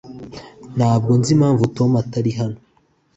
Ntabwo nzi impamvu Tom atari hano